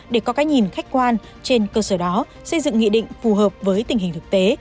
để có cái nhìn khách quan trên cơ sở đó xây dựng nghị định phù hợp với tình hình thực tế